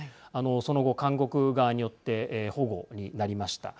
その後、韓国側によってほごになりました。